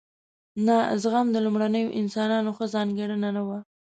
نه زغم د لومړنیو انسانانو ښه ځانګړنه نه وه.